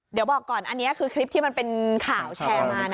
เดี๋ยวบอกก่อนอันนี้คือคลิปที่มันเป็นข่าวแชร์มานะ